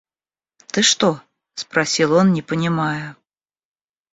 – Ты что? – спросил он, не понимая.